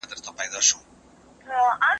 که استاد څېړونکی نه وي لارښوونه ورته ګرانه ده.